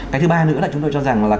cái thứ ba nữa là chúng tôi cho rằng là